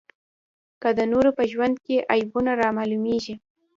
که د نورو په ژوند کې عیبونه رامعلومېږي.